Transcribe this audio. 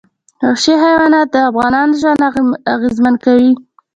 وحشي حیوانات د افغانانو ژوند اغېزمن کوي.